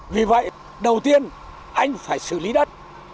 vì vậy đầu tiên anh phải xử lý đất